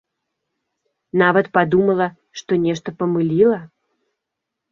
Нават падумала, што нешта памыліла.